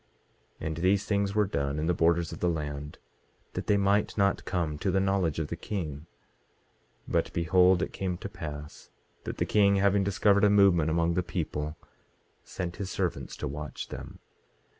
18:31 And these things were done in the borders of the land, that they might not come to the knowledge of the king. 18:32 But behold, it came to pass that the king, having discovered a movement among the people, sent his servants to watch them.